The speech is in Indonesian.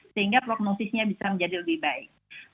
sehingga prognosisnya bisa menjadi lebih baik